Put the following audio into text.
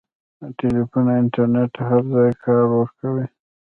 د ټیلیفون انټرنېټ هر ځای کار ورکوي.